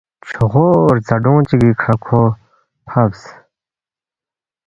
“ چھوغو رزاڈُونگ چِگی کھہ کھو فبس